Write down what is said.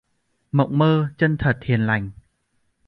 Mộng mơ, chân thật, hiền lành